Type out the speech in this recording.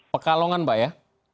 pekalongan pak ya